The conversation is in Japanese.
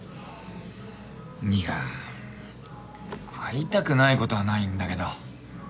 いや会いたくないことはないんだけど。